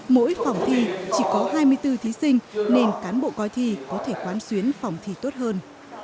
mỗi phòng thi chỉ có hai mươi bốn thí sinh nên cán bộ coi thi có thể quán xuyến phòng thi tốt hơn